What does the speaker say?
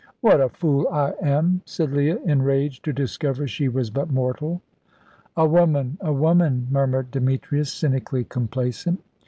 "What a fool I am!" said Leah, enraged to discover she was but mortal. "A woman, a woman," murmured Demetrius, cynically complacent.